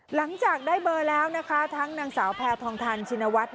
หลังจากได้เบอร์แล้วนะคะทั้งนางสาวแพทองทันชินวัฒน์